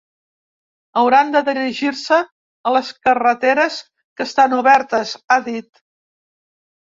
Hauran de dirigir-se a les carreteres que estan obertes, ha dit.